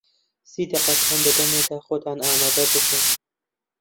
سی دەقەتان دەدەمێ تا خۆتان ئامادە بکەن.